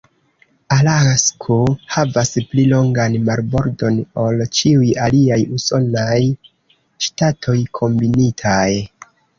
Alasko havas pli longan marbordon ol ĉiuj aliaj usonaj ŝtatoj kombinitaj.